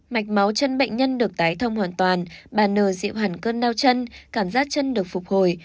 mạch máu chân bệnh nhân được tái thông hoàn toàn bà nờ dịu hẳn cơn đau chân cảm giác chân được phục hồi